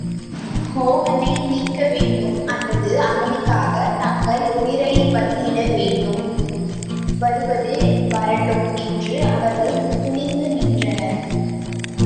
ஹோகனை மீட்க வேண்டும் அல்லது அவனுக்காகத் தங்கள் உயிரைப்பலியிட வேண்டும் வருவது வரட்டும் என்று அவர்கள் துணிந்து நின்றனர்.